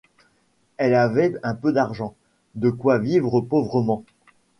Elle avait un peu d’argent, de quoi vivre pauvrement.